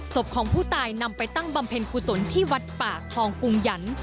ศพของผู้ตายนำไปตั้งบำเพ็ญกุศลที่วัดป่าคลองกรุงหยัน